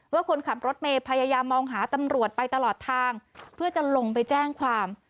ว่าคนขับรถเมย์พยายามมองหาตำรวจไปตลอดทางเพื่อจะลงไปแจ้งความ